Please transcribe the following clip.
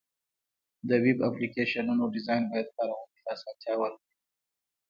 د ویب اپلیکیشنونو ډیزاین باید کارونکي ته اسانتیا ورکړي.